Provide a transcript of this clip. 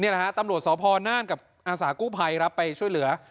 นะฮะตำรวจสพน่านกับอาสากู้ภัยครับไปช่วยเหลือ